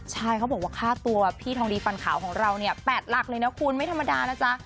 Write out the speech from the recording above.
ใช่เขาบอกว่าค่าตัวพี่ทองดีฟันขาวของเราเนี่ย๘หลักเลยนะคุณไม่ธรรมดานะจ๊ะ